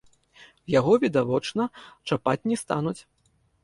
Яго, відавочна, чапаць не стануць.